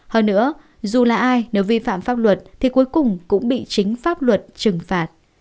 hơn nữa dù là ai nếu vi phạm pháp luật thì cuối cùng cũng bị chính pháp luật trừng phạt